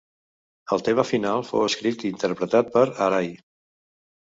El tema final fou escrit i interpretat per Arai.